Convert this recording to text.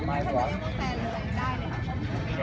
แม่กับผู้วิทยาลัย